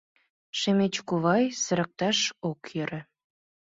Шемеч кувай сырыкташ ок йӧрӧ...